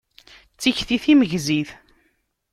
D tikti timegzit.